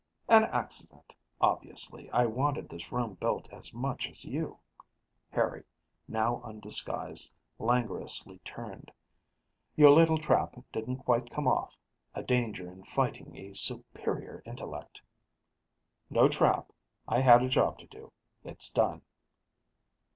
"An accident. Obviously, I wanted this room built as much as you." Harry, now undisguised, languorously turned. "Your little trap didn't quite come off a danger in fighting a superior intellect." "No trap. I had a job to do; it's done."